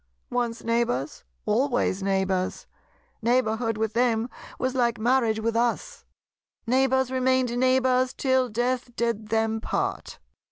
Once neighbours, always neighbours. Neighbourhood with them was like marriage with us. Neighbours remained neighbours till death did them part.